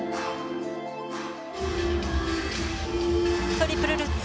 トリプルルッツ。